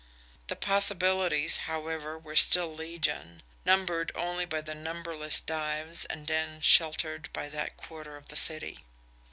The possibilities however were still legion numbered only by the numberless dives and dens sheltered by that quarter of the city.